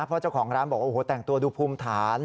เพราะเจ้าของร้านบอกแท่งตัวดูพุ่มฐาน